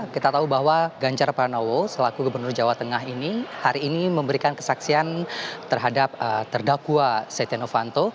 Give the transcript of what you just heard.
kita tahu bahwa ganjar pranowo selaku gubernur jawa tengah ini hari ini memberikan kesaksian terhadap terdakwa setia novanto